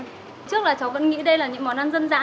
trước là cháu vẫn nghĩ đây là những món ăn dân dã